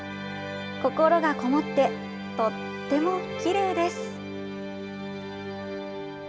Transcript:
心がこもってとってもきれいです。